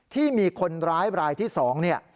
ที่มีคนร้ายรายที่๒เนี่ย